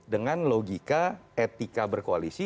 dengan logika etika berkoalisi